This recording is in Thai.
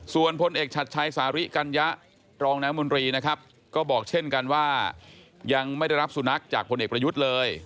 ส่วนพลเอกชัดชัยสาริกัญญะรองน้ำมนตรีนะครับก็บอกเช่นกันว่ายังไม่ได้รับสุนัขจากพลเอกประยุทธ์เลย